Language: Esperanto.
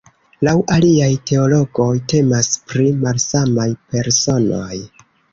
Laŭ aliaj teologoj temas pri malsamaj personoj.